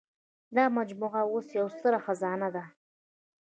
دا مجموعه اوس یوه ستره خزانه ده.